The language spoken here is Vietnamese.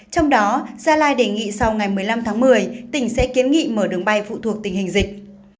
trong đó gia lai đề nghị sau ngày một mươi năm tháng một mươi tỉnh sẽ kiến nghị mở đường bay phụ thuộc tình hình dịch